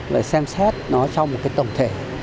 phải xem xét nó trong một cái tổng thể